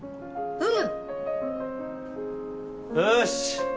うむ。